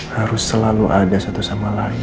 harus selalu ada satu sama lain